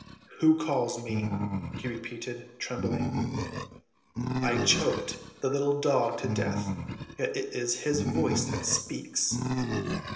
"Who calls me?" he repeated, trembling. "I choked the little dog to death, yet it is his voice that speaks."